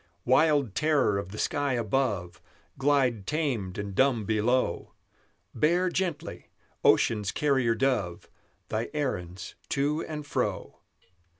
Wild terror of the sky above, Glide tamed and dumb below! Bear gently, Ocean's carrier dove, Thy errands to and fro.